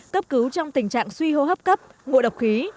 cấp cứu trong tình trạng suy hô hấp cấp ngộ độc khí